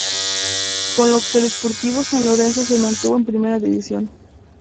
Con lo que el Sportivo San Lorenzo se mantuvo en Primera División.